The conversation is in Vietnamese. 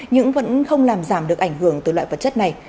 nhưng vẫn không làm giảm được ảnh hưởng từ loại vật chất này